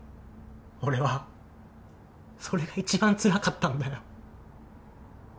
俺はそれが一番つらかったんだよ